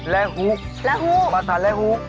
แล้วฮุกปราสาทแล้วฮุก